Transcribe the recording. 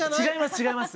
違います